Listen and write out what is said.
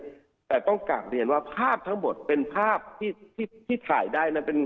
แต่ต้องกลับเรียนว่าภาพทั้งหมดเป็นภาพที่ถ่ายได้